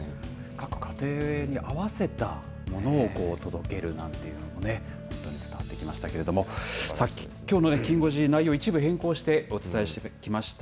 各家庭に合わせたものを届けるなんて伝わってきましたけれどもきょうのきん５時内容を一部変更してお伝えしてきました。